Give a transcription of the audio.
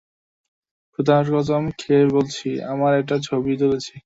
খোদার কসম খেয়ে বলছি, আমরা এটার ছবিও তুলেছি!